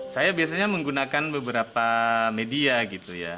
saya biasanya menggunakan beberapa media gitu ya